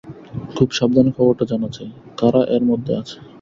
খুব সাবধানে খবরটা জানা চাই কারা এর মধ্যে আছে।